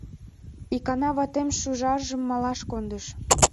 Икана ватем шӱжаржым малаш кондыш.